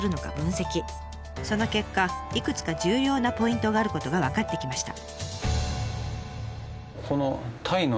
その結果いくつか重要なポイントがあることが分かってきました。